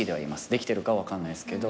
できてるか分かんないっすけど